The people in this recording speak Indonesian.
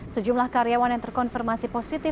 sejumlah karyawan yang terkonfirmasi positif